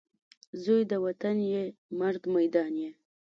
زوی د وطن یې ، مرد میدان یې